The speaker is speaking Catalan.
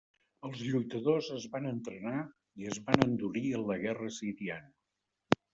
Els lluitadors es van entrenar i es van endurir en la guerra siriana.